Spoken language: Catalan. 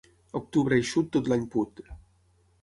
Octubre eixut tot l'any put.